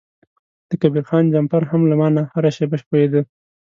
د کبیر خان جمپر هم له ما نه هره شیبه ښویده.